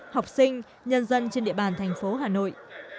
học sinh nhân dân trên địa bàn thành phố hà nội